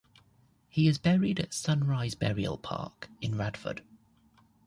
He is buried at Sunrise Burial Park in Radford.